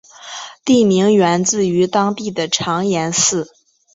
地名源自于当地的长延寺。